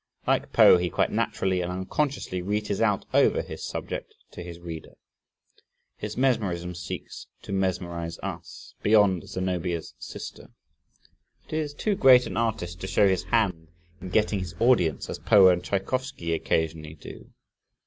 Like Poe he quite naturally and unconsciously reaches out over his subject to his reader. His mesmerism seeks to mesmerize us beyond Zenobia's sister. But he is too great an artist to show his hand "in getting his audience," as Poe and Tschaikowsky occasionally do.